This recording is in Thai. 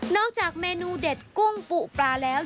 นอกจากเมนูเด็ดกล้องปลูกปล้าแล้ว